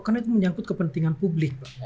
karena itu menyangkut kepentingan publik